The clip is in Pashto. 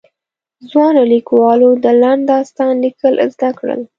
ځوانو ليکوالو د لنډ داستان ليکل زده کړل.